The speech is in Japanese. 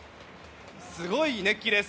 すごい熱気です。